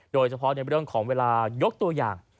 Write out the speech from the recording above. โดยเฉพาะในเรื่องของเวลายกตัวอย่าง